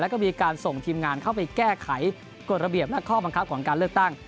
แล้วก็มีการส่งทีมงานเข้าไปแก้ไขกฎระเบียบและข้อบังคับของการเลือกตั้ง